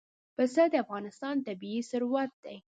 پسه د افغانستان طبعي ثروت دی.